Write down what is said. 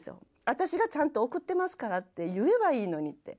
私がちゃんと送ってますからって言えばいいのにって。